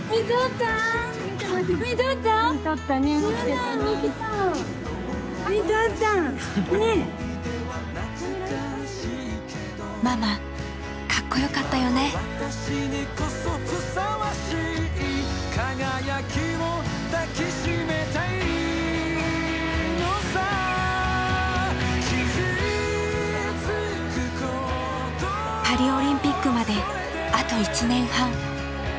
パリオリンピックまであと１年半。